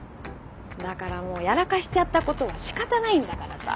だからもうやらかしちゃった事は仕方ないんだからさ。